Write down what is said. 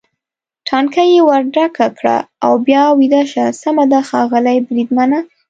ټانکۍ یې ور ډکه کړه او بیا ویده شه، سمه ده ښاغلی بریدمنه.